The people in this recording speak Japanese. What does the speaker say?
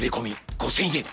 ５，０００円？